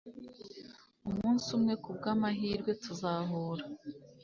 umunsi umwe kubwamahirwe tuzahura